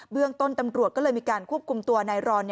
เรื่องต้นตำรวจก็เลยมีการควบคุมตัวนายรอน